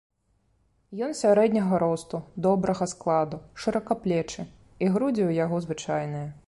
Ён сярэдняга росту, добрага складу, шыракаплечы, і грудзі ў яго звычайныя.